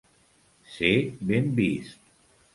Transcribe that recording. Ser ben vist.